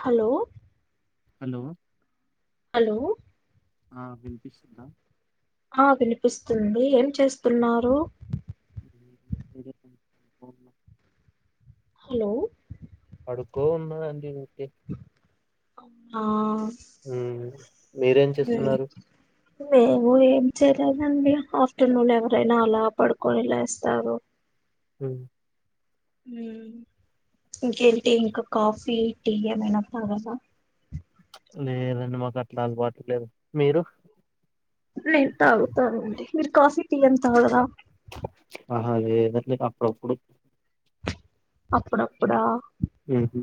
Hello hello hello ఆ వినిపిస్తుందా ఆ వినిపిస్తుంది ఎ చేస్తున్నారు ఏం చేయలేదు, పడుకోనున్నా. హలో పడుకో ఉన్న అండి ఆ మ్ ఉమ్, మీరేం చేస్తున్నారు నేన్ ఎ సరేనండి ఆఫ్టర్నూన్ ఎవరైనా అలా పడుకొని లేస్తారు మ్ మ్ ఇంకేటీ ఇంకా కాఫీ టీ ఏమైనా తగాలా లేదండి మాకు అట్లా అలవాటు లేదు మీరు నేను తాగుతానండి మీరు కాఫీ టీ ఏం తాగరా అదేదంటే అప్పుడప్పుడు అప్పుడు అప్పుడా మ్ హు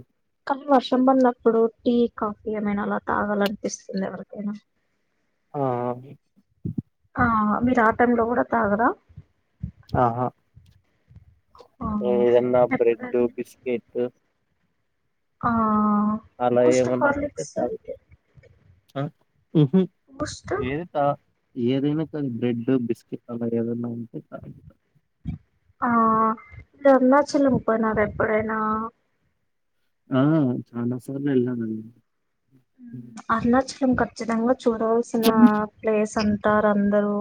నీ వర్షం పడినప్పుడు టీ కాఫీ ఏమైనా అలా తాగాలనిపిస్తుంది ఎవరికైనా ఆ అ ఆ మీరు ఆ టైమ్ లో కూడా తాగరా ఆహా ఆ మ్ ఇదన్నా బ్రెడ్ ఎప్పుడైనా బిస్కెట్ ఆ అలా బూస్ట్ ఏమన్నా ఉంటే హార్లిక్స్ చాలు హ మ్ మోస్ట్ ఏరుత ఏదైనా కాదు బ్రెడ్ బిస్కెట్ అలా ఏదైన్నా ఉంటే కా ఆ ఇ అన్నాచల పోయిన ఎప్పుడైనా ఆ చానా సార్లు ఎల్లం అండి అలచె [unintelligible] కచ్చితంగా చూడవల్సిన ప్లేస్ అం దరు అందరూ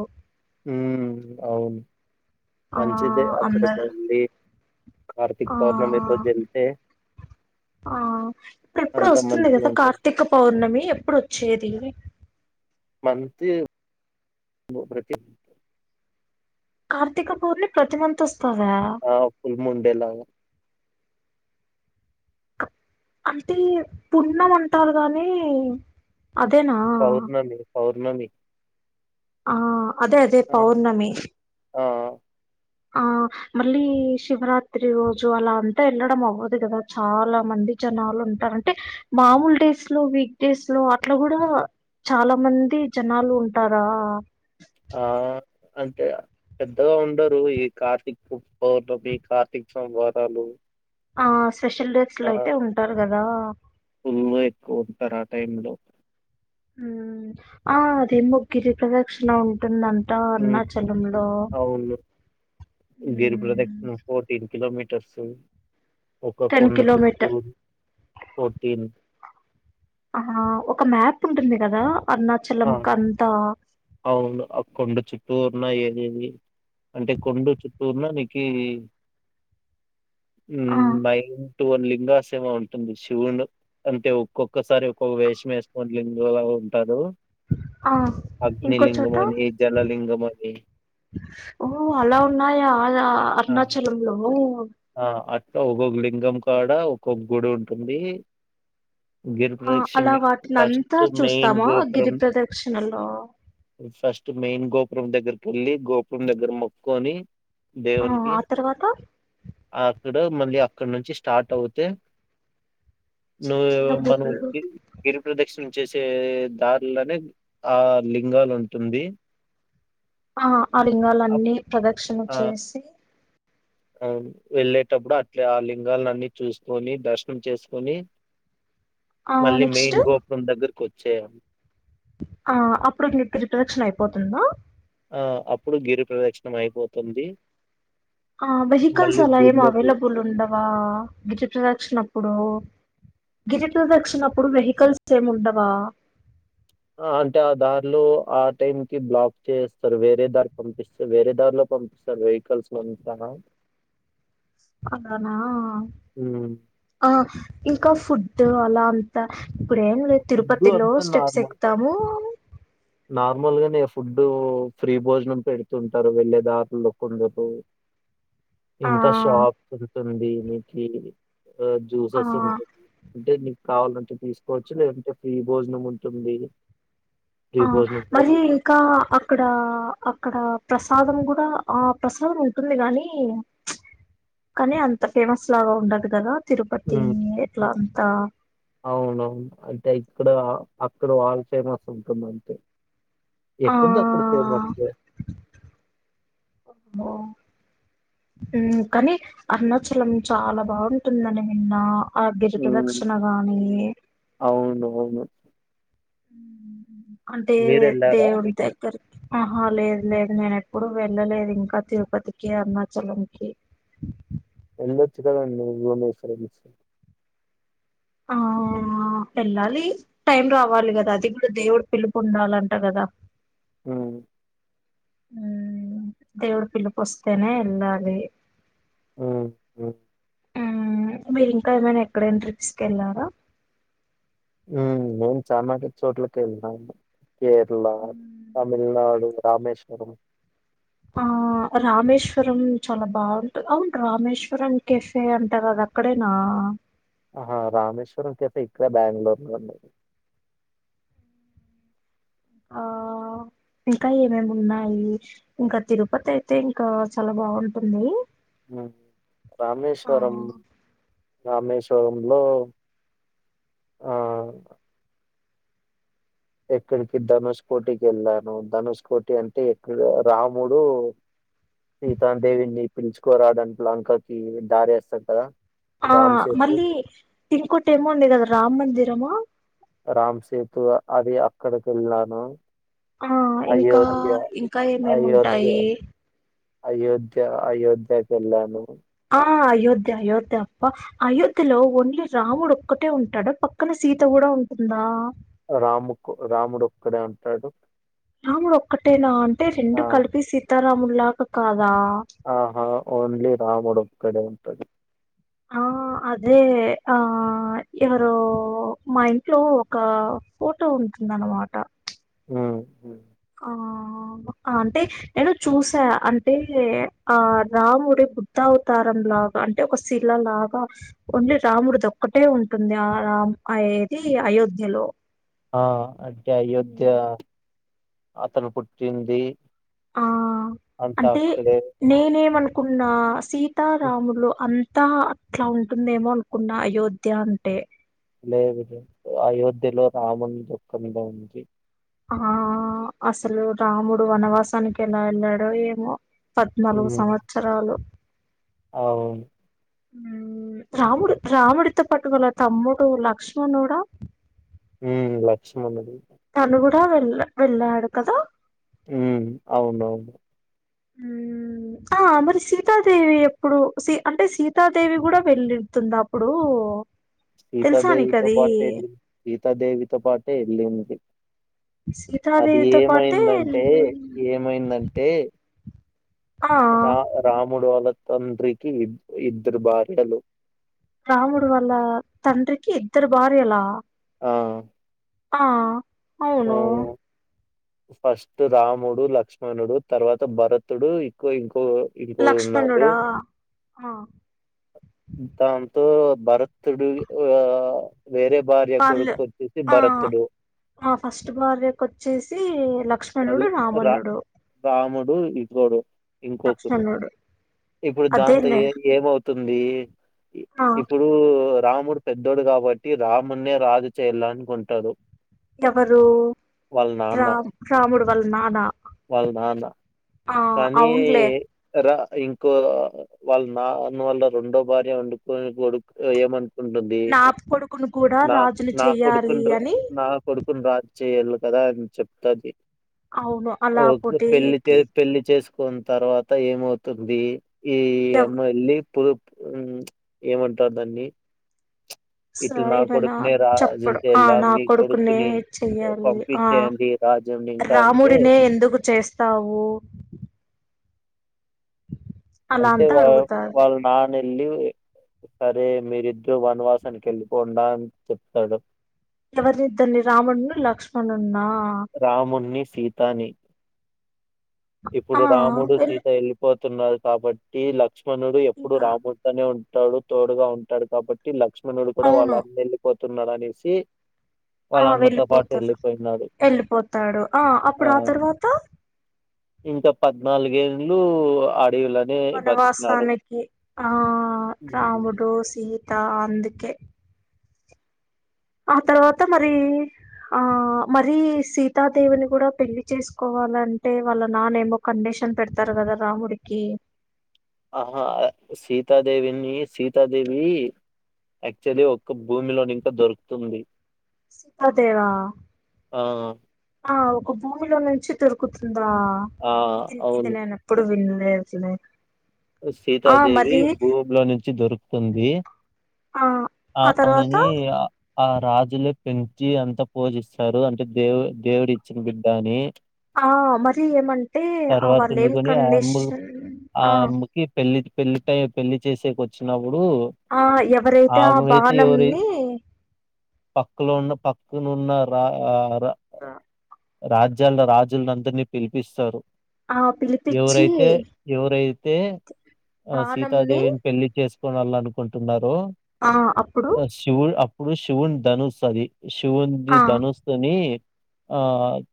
హ్మ్ అవును ఆ మంచిదే అక్కడికి అందరు వెళ్ళి కార్తీక్ ఆ పౌర్ణమి రోజు వెళ్తే ఆ ఇప్పుడు ఎప్పుడు అంత వస్తుంది మంచిగా కదా ఉంటుంది. కార్తీక పౌర్ణమి ఎప్పుడుొచ్చేది మనతి ప్రతి కార్తీక పూర్ణి ప్రతిమంతస్ ఆ ఫుల్ముండెలాగ అంటే పున్నం అంటారు గానీ అదే పౌర్ణమి పౌర్ణమి ఆ అదే అదే ఆ పౌర్ణమి ఆ ఆ మళ్ళీ శివరాత్రి రోజు అలా అంతా వెళ్ళడం అవ్వదు కదా, చాలా మంది జనాలు ఉంటారు. అంటే మామూలు డేస్ లో వీక్ డేస్ లో అట్లా కూడా చాలా మంది జనాలు ఉంటారా ఆ అంటే పెద్దగా ఉండరు. ఈ కార్తీక్ పౌర్ణమి కార్తీక్ సోమవారాలు ఆస్ స్పెషల్ డేక్స్ లో అయితే ఉంటారు కదా ఉన్మా ఎక్కువ ఉంటారు ఆ టైమ్ లో హ్మ్ ఆ అదేందో గిరి ప్రదక్షిణ ఉంటుందన్ ట్టా ఉమ్ అరుణాచలంలో అవును గిరి హ్మ్ ప్రదక్షిణ ఫోర్టీన్ కిలోమీటర్స్ ఒక టెన్ కొండ కిలోమీటర్ చుట్టూరు ఫోర్టీన్ ఆహ ఒక మ్యాప్ ఉంటుంది కదా అరుణాచలం ఆమ్ కంతా అవును అ కొండ చుట్టూర్ ఉన్నా ఏది ఏది అంటే కొండ చుట్ పూర్ణ నెగ్గింది ఉ ఆ బై టు లింగాశయము ఉంటుంది శివుడు అంటే ఒక్కొక్కసారి ఒక్కొక్క వేషం వేసుకోని లింగంలా ఉంటారు ఆ ఇంకో చోట అగ్నిలింగమని, జలలింగమని. ఓ అలా ఉన్నాయా అలా ఆ! అరుణాచలం లో ఆ అట్లా ఒక్కక్క లింగం కాడ ఒక్కొక్క గుడి ఉంటుంది. గిరి ఆ అలా ప్రదక్షిణము వాటిని అంతా ఫస్ట్ మెయిన్ చూస్తామా గిరి గోపురం ప్రదక్షిణలో ఫస్ట్ మెయిన్ గోపు. గోపురం దగ్గరికి వెళ్ళి గోపురం దగ్గర మొక్కుకొని. ఆహ దేవునికి ఆ తర్వాత అక్కడ మళ్ళీ అక్కడ నుంచి స్టార్ట్ అవుతే. చిన్న నువ్ చిన్న మనం గుళ్ళు గిరి గిరిప్రదక్షిణ చేసే దారిలోనే ఆ లింగాలు ఉంటుంది ఆ ఆ లింగాలు అప్ అన్నీ ప్రదక్షిణ ఆ చేసి అవును వెళ్ళేటప్పుడు అట్లే ఆ లింగాల్ని అన్ని చూసుకొని దర్శనం చేసుకొని. ఆ మళ్ళీ నెక్స్ట్ మెయిన్ గోపురం దగ్గరకి వ చేయాలి ఆ అప్పుడు గిరి ప్రదక్షిణ అయిపోతుందా ఆ అప్పుడు గిరి ప్రదక్షణం అయిపోతుంది ఆ వెహికల్స్ మళ్ళీ అలా గుడి ఏమి లోపల అవైలబుల్ ఉండవా గిరి ప్రదక్షినప్పుడు గిరి ప్రదక్షినప్పుడు వెహికల్స్ ఏమి ఉండవా. ఆ అంటే ఆ దారిలో ఆ టైం కి బ్లాక్ చేస్తారు వేరే దారి పంపిస్తారు వేరే దారిలో పంపిస్తారు వెహికల్స్ నంతాను. అలానా హ్మ్. ఆ ఇంకా ఫుడ్ అలా అంత ఇప్పుడు ఏం లేదు ఫుడ్డు తిరుపతిలో అంతా స్టెప్స్ ఎక్కుతాము. నార్మల్గానే ఫుడ్డు ఫ్రీ భోజనం పెడుతుంటారు వెళ్ళే దారిలో కొందరు. ఆ ఇంకా షాప్ సల్తుంది మీకి ఆ ఆ జ్యూసెస్ ఉంటాయి అంటే కావాలంటే తీసుకోవచ్చు లేదంటే ఫీ భోజనం ఉంటుంది. ఫ్రీ ఆ భోజనం కూడా మరి తినొచ్చు. ఇంకా అక్కడా అ అక్కడ ప్రసాదం కూడా ఆ ప్రసాదం ఉంటుంది కానీ కానీ అంత ఫేమస్ లాగా ఉండదు కదా. తిరుపతి హ్మ్. ఏట్లా అంతా అక్కడ అక్కడ వాల్చైనాస్ ఉంటుందంటే ఆ ఎక్కడిది అక్కడ ఫేమస్ ఉమ్ కాని అరుణాచలం చాలా బావుంటుందని విన్నా ఆ గిరి హ్మ్. ప్రదక్షణగానీ అవునవును. మ్ అంటే మీరెళ్లారా? దేవుడి దగ్గర ఆహా లేదు లేదు నేను ఎప్పుడూ వెళ్ళలేదు ఇంకా తిరుపతికి అరుణాచలంకి ఎల్లోచ్చు కదండీ భువనేశ్వర [inaudible] ఆ వెళ్ళాలి టైం రావాలి కదా అది కూడా దేవుడు పిలుపు ఉండాలంట కదా మ్ మ్ దేవుడు పిలుపొస్తేనే ఎల్లాలి ఆ ఆ మ్ మీరింకా ఏమైనా ఎక్కడైనా ట్రిప్స్ కెళ్ళారా నేను [unintelligible] వెళ్ళినాను కేరళ తమిళనాడు రామేశ్వరం ఆ రామేశ్వరం చాలా బావుంటు అవును రామేశ్వరం కెఫే అంటారదక్కడేనా ఆహా రామేశ్వరం కెఫే ఇక్కడ బ్యాంగ్ళూర్ లో అండి ఆ ఇంకా ఏమేమున్నాయి ఇంకా తిరుపతి అయితే ఇంకా చాలా బావుంటుంది రామేశ్వరం రామేశ్వరంలో ఆ ఎక్కడికి ధనుష్ కోటికి వెళ్ళాను ధనుష్ కోటి అంటే ఎక్కడ రాముడు సీతా దేవిని పిల్చుకోరావడానికి లంకకి దారేస్తారు కదా ఆ రామ్ సేతు, మళ్ళీ టింకోటేమో వుంది కద రామ్ మందిరమా రామ్ సేతు అది అక్కడికెళ్ళాను ఆ ఇంకా అయోధ్య, ఇంకా అయోధ్య, ఏమేముంటాయి అయోధ్య అయోధ్యకెళ్ళాను ఆ అయోధ్య అయోధ్య అప్ప అయోధ్యలో ఓన్లీ రాముడొక్కటే ఉంటాడా పక్కన సీత కూడా ఉంటుందా రాముకు రాముడొక్కడే ఉంటాడు రాముడొక్కటేనా టే రెండు ఆ! కలిపి సీత రాముల్లాగా కా ఆహా ఓన్లీ రాముడొక్కడే టది ఆ అదే ఆ ఎవరో మా ఇంట్లో ఒక ఫోటో ఉంటుందనమాట హ్మ్. హ్మ్. ఆ అంటే నేను చూసా అంటే ఆ రాముడి బుద్ధావతారం లాగా అంటే ఒక శిల లాగా ఓన్లీ రాముడిదొక్కటే ఉంటుంది ఆ రామ్ ఆ ఏది అయోధ్యలో ఆ అంటే అయోధ్య హ్మ్. అతను పుట్టింది ఆ అంతా అంటే, అక్కడే. నేనేమనుకున్న, సీతారాములు అం. అంత అట్లా ఉంటుందేమో అనుకున్న అయోధ్య అంటే. లేదు గ అయోధ్యలో రాముని దుఃఖంగా ఉంచి. ఆ అసలు రాముడు వనవాసానికి ఎలా వెళ్ళడో ఏమో. పద్నాలుగు సంవత్సరాలు. అవు. రాముడు రాముడితో పట్టు వాల తమ్ముడు లక్ష్మణుడ. ఉ లక్ష్మమనుడు. తను కూడా వెళ్ళ, వెళ్ళాడు కదా. ఉ అవునవును. ఆ మరి సీతాదేవి ఎప్పుడు, సీ అంటే, సీతాదేవి కూడా వెళ్లితుంద అప్పుడూ. సీతాదేవితో పాటే ఎ సీతాదేవితో పాటే ఎళ్ళింది. అది సీతాదేవితో పాటే ఏమైందంటే, వెళ్ళిం- ఏమైందంటే. ఆ రా రాముడు వాళ్ళ. తండ్రికి ఇద్దరు భార్యలు. రాముడు వాళ్ళ, తండ్రికి ఇద్దరు భార్యలా. ఆ ఆ. ఆ, అవునూ. ఫస్ట్ రాముడు లక్ష్మణుడు, తర్వాత భరతుడూ, ఇక్కొ ఇంకో. ఇంకోరు ఉన్నారు లక్ష్మణుడా ఆ. దాంతో భరతుడు ఆ. వేరే భార్య పర్లే కొడుకు వచ్చేసి ఆ భరతుడు మ ఫస్ట్ భార్య కొచ్చేసి. లక్ష్మణుడు రామణుడు. ప్పు ఇప్పుడు. ఇంకొకరు, లక్ష్మణుడు ఇప్పుడు దాంతో అదేలే ఏ ఏమవుతు. తుంది. ఆ ఇప్పుడూ. రాముడు పెద్దడు కాబట్టి, రామున్నే రాజు చేయాలనుకుంటాడు. ఎవరూ వాళ్ళ నాన్న రామ్. రాముడు వాళ్ళ నాన్న. వాళ్ళ నాన్న ఆ కానీ అవునులే రా. ఇంకో వాళ్ళ నాన్న వల్ల రెండో భార్య వండుకుని కొడుకు ఏమ. ఉంటుందీ, నా కొడుకును కూడా నాకు రాజుని నా చెయ్యాలి కొడుకుని, అని నా కొడుకుని రాజ చేయాల. కదా అని చెప్తుది. అవును అలాపోటికీ పెళ్లి చేసుకున్న తర్వాత ఏమవుతుంది ఈ ఎవ్ అమ్మ వెళ్లి పుదు హ్మ్ ఏమంటారు దాన్ని స ఇట్లా నా ఏమైనా కొడుకునే రాజుని చెప్పడు ఆ చేయాలా నా మీ కొడుకునే కొడుకుని చెయ్యాలి ఆ పంపించేయండి రాజ్యంని ఇంకా అంటే రాముడినే ఎందుకు చేస్తావు. అలా అంటే అంతా వా అడుగుతాది వాళ్ళ నానే వెళ్ళి సరే మీరిద్దరు వనవాసానికి వెళ్ళిపోండా అని చెప్తాడు. ఎవరినిద్దరిని రాముణ్ణి లక్ష్మణున్నా రామున్నీ సీతాని ఇప్పుడు ఆ రాముడు వెళ్ సీత వెళ్ళిపోత్ ఉన్నారు కాబట్టి లక్ష మనోడు ఎప్పుడు ఇంకా రాబోతూనే ఉంట తోడు తోడుగా ఉంటాడు కాబట్టి లక్ష మనోడు కూడా వాళ్ళ అవును అమ్మ వెళ్లి పోద్ స్తున్నాడు అనేసి వాళ్ళ ఆ అన్నతో పాటు వెళ్ళిపోతారు వెళ్ళిపోయినాడు వెళ్ళిపోతాడు. ఆ అప్పుడు ఆ తర్వాత ఇంకా పద్నాలుగేళ్లూ ఆ వనవాసానికి ఆ ఉమ్. రాముడో సీ దా అందుకే ఆ తర్వాత మరి ఆ మరి సీతాదేవిని కూడా పెళ్లి చేసుకోవాలంటే వాళ్ళ నాన్న ఏమో కండిషన్ పెడతారు కదా రాముడికి ఆహా సీతాదేవిని సీతాదేవి యాక్చువల్లీ ఒక్క భూమిలోని ఇంకా దొరుకుతుంది. సీతాదేవా ఆ ఆ ఓ ఒక భూమిలో నుంచి దొరుకుతుంది. దా ఆ ఇది ఇది అవును నేనెప్పుడు విన్ ఏ వచ్చెనె సీతాదేవి భూమిలో నుంచి దొరుకుతుంది. ఆ ఆ తర్వాత ఆమెని ఆ ఆ రాజులే పెంచి అంత పూజిస్తారు. అంటే దేవు దేవుడు ఇచ్చిన బిడ్డా అని ఆ మరి ఏమంటే ఆ తర్వాత వాళ్ళు ఏం ఉండుకొని కండిషన్ ఆ కి పెళ్లి పెళ్లి టై పెళ్లి చేసేక వచ్చినావు ఆ ఎవరైతే ఆ ఎవరి బాణంన్ని పక్కలో ఉన్న పక్కనున్న రా రా ఆ రాజ్యాల రాజుల అందరినీ పిలిపిస్తారు. ఆ పిలిపిచ్చి ఎవరైతే ఎవరైతే ఆ బాణంని సీతదేవిని పెళ్ళికి చేస్కోనిరావాల అనుకుంటున్నార్. లో ఆ అప్పుడు ఆ శివుడ్ అప్ ఇప్పుడు శివున్ ధనుస్ అది. శివుంది. ఆ ధనోస్తుని ఆ ఇమ్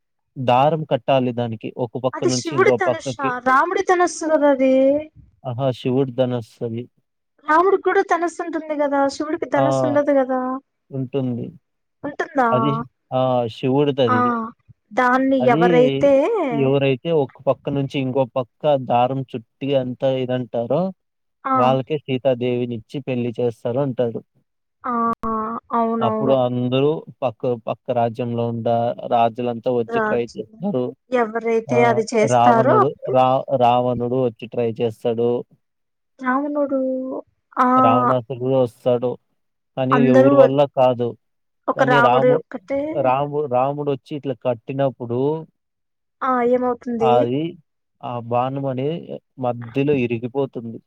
దారం కట్టాలి. దాని అది శివుడి ధనుస్సా, రాముడి ధనస్సు, కదా అది. ఆహా శివుడ్ ధనస్స్ అవి రాముడికి కూడా ధనుస్సు ఉంటుంది. కదా శివుడికి ఆ! ధనస్సు ఉండదు. కదా ఉంటుంది. ఉంటుందా అది ఆ ఆ శివుడుదదిహే దాన్ని అది ఎవరైతే ఎవరైతే ఒక్ పక్క నుంచి ఇంకో పక్ కా దారం చుట్టి అంతా ఇదంటారో ఆ వాళ్ళకే సీత. దేవిని ఇచ్చి పెళ్లి చేస్తరు అంటాడు. ఆ అప్పుడు అవునవును అందరూ పక్కో, పక్క రాజ్యంలో ఉంటా రాజ్ తిలంతా వచ్చి రాజు ట్రైడ్లో ముడో ఆ ఎవరైతే అది చేస్తారో రావణుడు అప్పుడు రా రావన్ [unintelligible] వచ్చి ట్రై చేస్తాడో. రావణుడూ ఆ సాడో కానీ అందరూ ఎవ్వుర్ వల్ల కాదు. ఒక కానీ రాముడు రాము, ఒక్కటే ఆ రాముడ్, రామ్ మూడొచ్చి ఇట్ల కట్టినప్పుడూ ఆ ఏమవుతుంది. ఆ బాణము అనేది ఆ మధ్యలో ఇరిగిపోతుంది.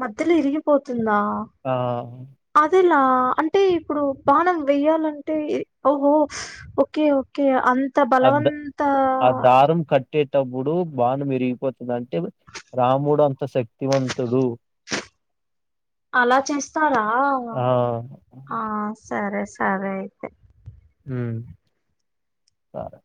మధ్యలో ఇరిగిపోతుందా ఆ! అదేలా అంటే ఇప్పుడు బాణం వేయ్యాలంటే ఓహో, ఓక్కే, ఓక్కే అం త బలవంతా ట్టేటప్పుడు బాణం ఇరిగిపోతుందంటే రాముడు అంత శక్తివంతుడు. అలా చేస్తారా ఆ! ఆ సరే, సరే అయితే హ్మ్ సారే